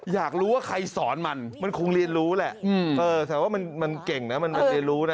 อยากรู้ว่าใครสอนมันมันคงเรียนรู้แหละแต่ว่ามันเก่งนะมันเรียนรู้นะ